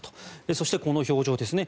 そしてこの表情ですね